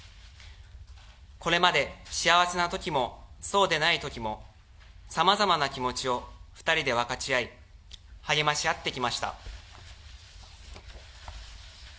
これまで幸せなときも、そうでないときも、さまざまな気持ちを２人で分かち合い、励まし合ってきました。